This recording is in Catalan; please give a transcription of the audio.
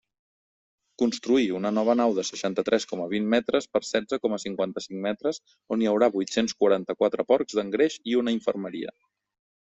Construir una nova nau de seixanta-tres coma vint metres per setze coma cinquanta-cinc metres on hi haurà vuit-cents quaranta-quatre porcs d'engreix i una infermeria.